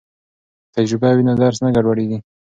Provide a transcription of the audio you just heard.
که تجربه وي نو درس نه ګډوډیږي.